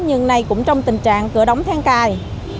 nhưng nay cũng trong tình trạng cửa đóng thang cài